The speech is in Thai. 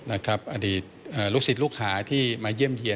อาทิตย์ลูกสิทธิ์ลูกค้าที่มาเยี่ยมเยี่ยม